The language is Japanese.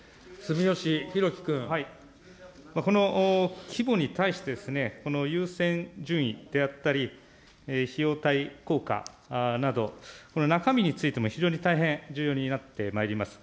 この規模に対してですね、この優先順位であったり、費用対効果など、中身についても非常に大変重要になってまいります。